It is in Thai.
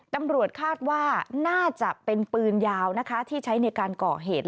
ตำรวจคาดว่าน่าจะเป็นปืนยาวนะคะที่ใช้ในการก่อเหตุ